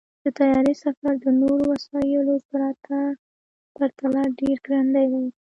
د طیارې سفر د نورو وسایطو پرتله ډېر ګړندی دی.